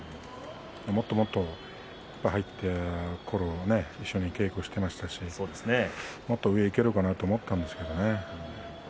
もっともっと入門したころ、一緒に稽古していましたしもっと上にいけるかなと思っていたんですが。